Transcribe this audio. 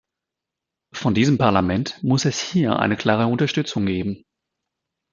Von diesem Parlament muss es hier eine klare Unterstützung geben.